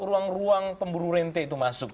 ruang ruang pemburu rente itu masuk